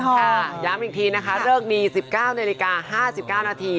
ย้ำอีกทีนะคะเลิกดี๑๙นาฬิกา๕๙นาที